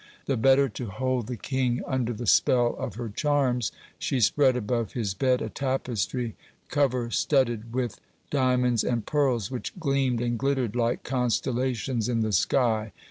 The better to hold the king under the spell of her charms, she spread above his bed a tapestry cover studded with diamonds and pearls, which gleamed and glittered like constellations in the sky.